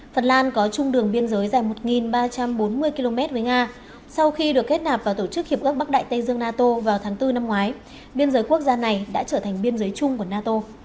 phần lan có chung đường biên giới dài một ba trăm bốn mươi km với nga sau khi được kết nạp vào tổ chức hiệp ước bắc đại tây dương nato vào tháng bốn năm ngoái biên giới quốc gia này đã trở thành biên giới chung của nato